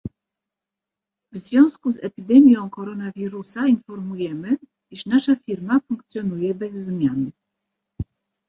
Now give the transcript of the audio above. W związku z epidemią koronawirusa informujemy, iż nasza Firma funkcjonuje bez zmian.